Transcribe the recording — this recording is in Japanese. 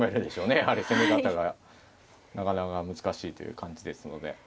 やはり攻め方がなかなか難しいという感じですので。